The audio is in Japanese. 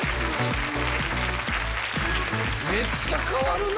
めっちゃ変わるな！